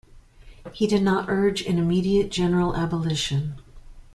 He did not urge an immediate, general abolition.